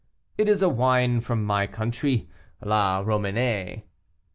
"It is a wine of my country, La Romanée."